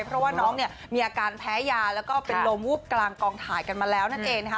เพราะว่าน้องเนี่ยมีอาการแพ้ยาแล้วก็เป็นลมวูบกลางกองถ่ายกันมาแล้วนั่นเองนะคะ